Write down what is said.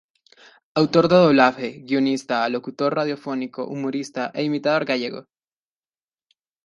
Actor de doblaje, guionista, locutor radiofónico, humorista e imitador gallego.